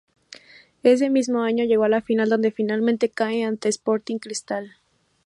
Ese mismo año llegó a la final donde finalmente cae ante Sporting Cristal.